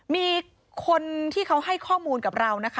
มีคนที่เขาให้ข้อมูลกับเรานะคะ